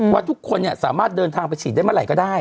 ว่าทุกคนสามารถเดินทางไปฉีดได้เมื่อไหร่ก็ได้